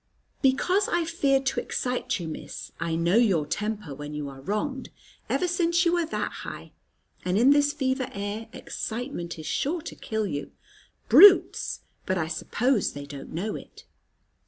"Because I feared to excite you, Miss. I know your temper when you are wronged, ever since you was that high; and in this fever air, excitement is sure to kill you. Brutes! But I suppose they don't know it."